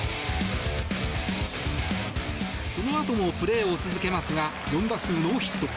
そのあともプレーを続けますが４打数ノーヒット。